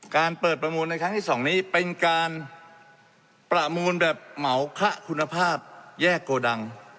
การเปิดประมูลในครั้งที่๒นี้เป็นการประมูลแบบเหมาคะคุณภาพแยกโกดัง